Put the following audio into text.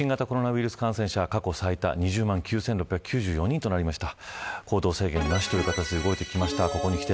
昨日、全国の新型コロナウイルス感染者は過去最多の２０万９６９４人となりました。